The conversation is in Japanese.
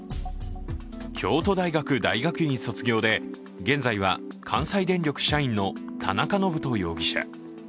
京都大学大学院卒業で現在は関西電力社員の田中信人容疑者。